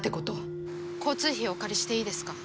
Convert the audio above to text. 交通費をお借りしていいですか？